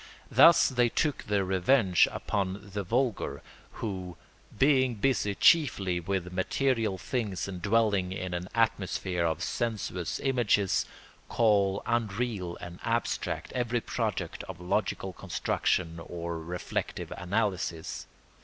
Thus they took their revenge upon the vulgar who, being busy chiefly with material things and dwelling in an atmosphere of sensuous images, call unreal and abstract every product of logical construction or reflective analysis.